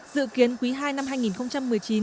dự kiến quý ii năm hai nghìn một mươi chín